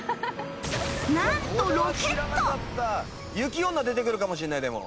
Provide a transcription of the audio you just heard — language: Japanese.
なんとロケット雪女出てくるかもしれないでも。